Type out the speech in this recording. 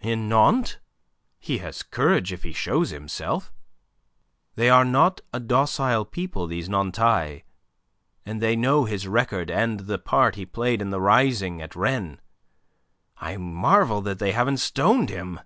"In Nantes? He has courage if he shows himself. They are not a docile people, these Nantais, and they know his record and the part he played in the rising at Rennes. I marvel they haven't stoned him.